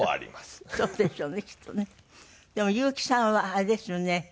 でも裕基さんはあれですよね。